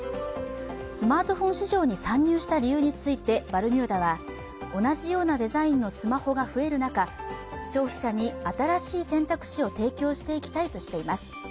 スマートフォン市場に参入した理由についてバルミューダは、同じようなデザインのスマホが増える中、消費者に新しい選択肢を提供していきたいとしています。